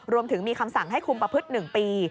รวมถึงมีคำสั่งให้คุมประพฤติ๑ปี